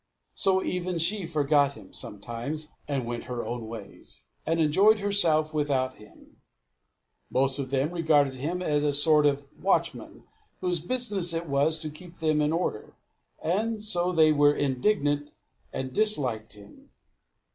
So even she forgot him sometimes, and went her own ways, and enjoyed herself without him. Most of them regarded him as a sort of watchman, whose business it was to keep them in order; and so they were indignant and disliked him.